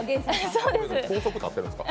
高速に乗ってるんですか？